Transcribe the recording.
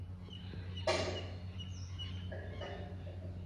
Proto jsme se dnešního hlasování zdrželi.